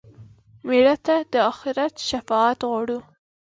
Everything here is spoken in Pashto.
مړه ته د آخرت شفاعت غواړو